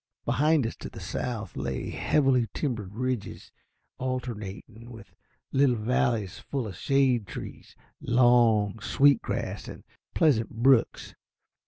Behind us to the south lay heavily timbered ridges, alternating with little valleys full of shade trees, long, sweet grass, and pleasant brooks.